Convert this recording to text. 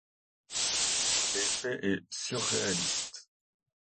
L'effet est surréaliste.